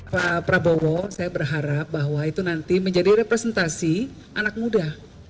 pak prabowo saya berharap bahwa itu nanti menjadi representasi anak muda